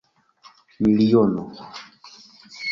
miliono